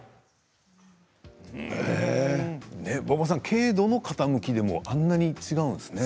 軽度の傾きでもあんなに違うんですね。